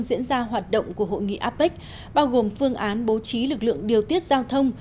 diễn ra hoạt động của hội nghị apec bao gồm phương án bố trí lực lượng điều tiết giao thông